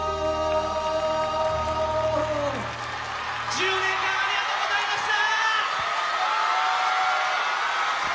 １０年間ありがとうございました！